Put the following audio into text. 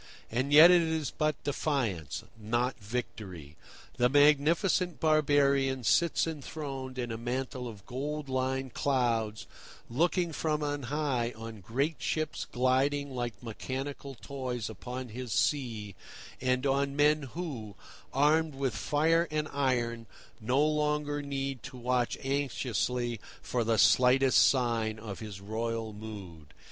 And yet it is but defiance, not victory. The magnificent barbarian sits enthroned in a mantle of gold lined clouds looking from on high on great ships gliding like mechanical toys upon his sea and on men who, armed with fire and iron, no longer need to watch anxiously for the slightest sign of his royal mood.